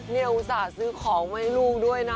นี่อุตส่าห์ซื้อของมาให้ลูกด้วยนะ